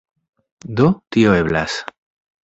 Do, tio eblas.